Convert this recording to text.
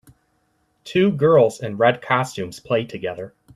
Two girls in red costumes play together.